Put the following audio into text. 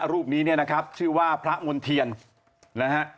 รูปนี้เนี่ยนะครับชื่อว่าพระมณ์เทียนนะฮะ